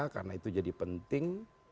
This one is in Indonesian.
karena itu jadi penting